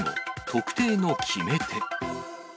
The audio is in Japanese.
特定の決め手。